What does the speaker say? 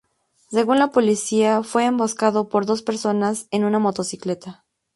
Según la policía, fue emboscada por dos personas en una motocicleta.